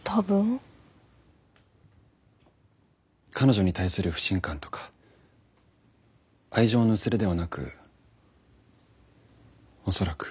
彼女に対する不信感とか愛情の薄れではなく恐らく。